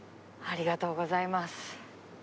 ありがとうございます。